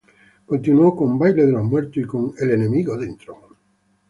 Continuó con "Baile de los Muertos" y con "El Enemigo Dentro".